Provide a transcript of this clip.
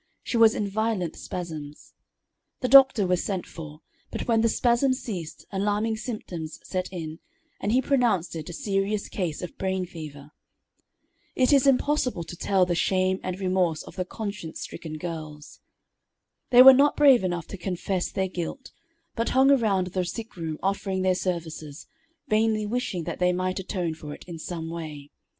She was in violent spasms. The doctor was sent for, but when the spasms ceased, alarming symptoms set in, and he pronounced it a serious case of brain fever. It is impossible to tell the shame and remorse of the conscience stricken girls. They were not brave enough to confess their guilt, but hung around the sick room offering their services, vainly wishing that they might atone for it in some way.